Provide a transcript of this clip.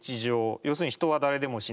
要するに人は誰でも死ぬ。